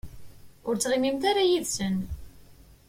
Ur ttɣimimt ara yid-sen.